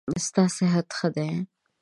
ستا صحت ښه دی؟